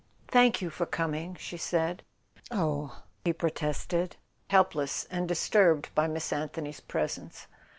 "Thank you for coming," she said. "Oh " he protested, helpless, and disturbed by Miss Anthony's presence.